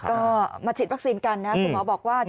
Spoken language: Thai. ก็มาฉีดวัคซีนกันนะคุณหมอบอกว่า